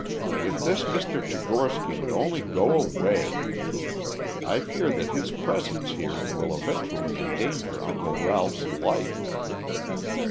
If this Mr. Tchigorsky would only go away! I fear that his presence here will eventually endanger Uncle Ralph's life.